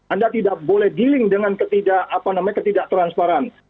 anda tidak boleh dealing dengan ketidak apa namanya ketidaktransparan